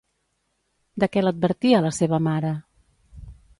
De què l'advertia la seva mare?